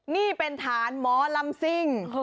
นี่เป็นฐานหมอลำซิ่ง